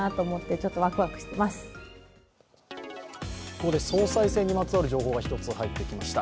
ここで総裁選にまつわる情報が１つ入ってきました。